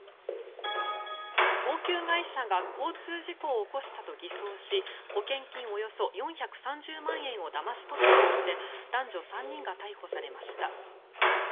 高級外車が交通事故を起こしたと偽装し保険金およそ４３０万円をだまし取ったとして男女３人が逮捕されました。